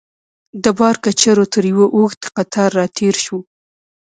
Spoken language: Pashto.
د بار کچرو تر یوه اوږد قطار راتېر شوو.